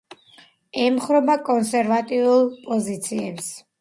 ემხრობა კონსერვატიულ პოზიციებს.